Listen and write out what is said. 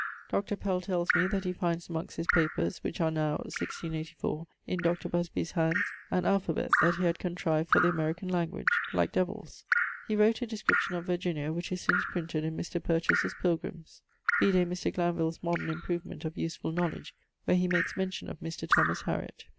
Dr. Pell tells me that he finds amongst his papers (which are now, 1684, in Dr. Busby's hands), an alphabet that he had contrived for the American language, like Devills. He wrote a Description of Virginia, which is since printed in Mr. Purchas's Pilgrims. Vide Mr. Glanvill's Moderne Improvement of Usefull Knowledge, where he makes mention of Mr. Thomas Harriot, pag.